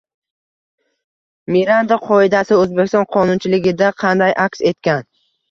– Miranda qoidasi O‘zbekiston qonunchiligida qanday aks etgan?